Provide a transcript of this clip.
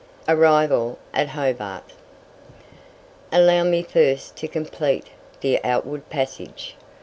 ARRIVAL AT HOBART. Allow me first to complete the outward passage.